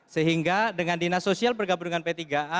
sehingga dengan dinas sosial bergabung dengan p tiga a